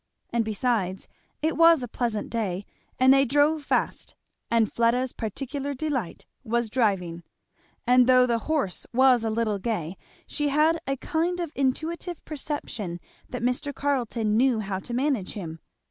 And besides, it was a pleasant day, and they drove fast, and Fleda's particular delight was driving; and though the horse was a little gay she had a kind of intuitive perception that Mr. Carleton knew how to manage him.